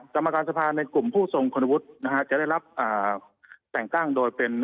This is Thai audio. กรรมการสภาในกลุ่มผู้ทรงคุณวุฒินะฮะจะได้รับแต่งตั้งโดยเป็น